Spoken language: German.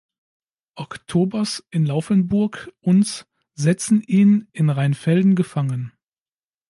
Oktobers in Laufenburg uns setzen ihn in Rheinfelden gefangen.